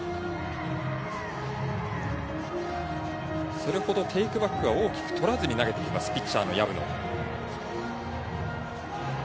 それほど、テイクバックは大きくとらずに投げています、ピッチャーの薮野。